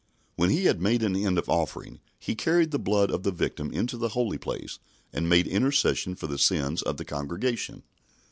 When he had made an end of offering, he carried the blood of the victim into the Holy Place and made intercession for the sins of the congregation.